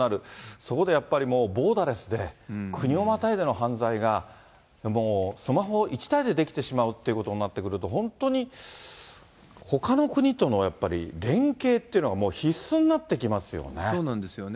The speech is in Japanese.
そこでやっぱりもうボーダレスで、国をまたいでの犯罪が、もうスマホ１台でできてしまうということになってくると、本当にほかの国との連携っていうのがもう必須になってきますよね。